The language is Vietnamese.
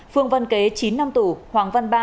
phương văn kế chín năm tù hoàng văn ba